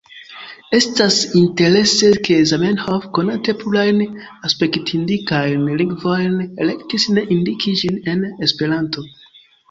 Estas interese ke Zamenhof, konante plurajn aspektindikajn lingvojn, elektis ne indiki ĝin en Esperanto.